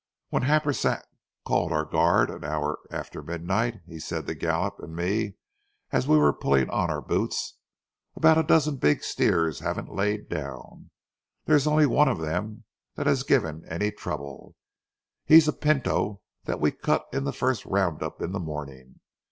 When Happersett called our guard an hour after midnight, he said to Gallup and me as we were pulling on our boots: "About a dozen big steers haven't laid down. There's only one of them that has given any trouble. He's a pinto that we cut in the first round up in the morning.